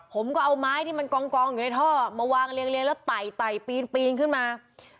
ผมก็เอาไม้ที่มันกองอยู่ในท่อมาวางเรียงแล้วไต่ปีนปีนขึ้นมา